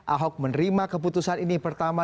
ahok menerima keputusan ini pertama